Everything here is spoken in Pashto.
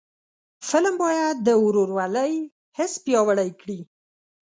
فلم باید د ورورولۍ حس پیاوړی کړي